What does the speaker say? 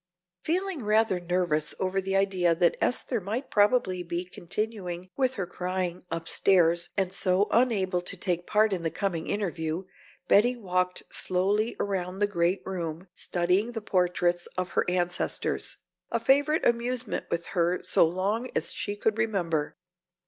Feeling rather nervous over the idea that Esther might probably be continuing with her crying upstairs and so unable to take part in the coming interview, Betty walked slowly around the great room studying the portraits of her ancestors, a favorite amusement with her so long as she could remember.